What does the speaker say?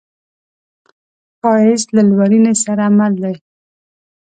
ښایست له لورینې سره مل دی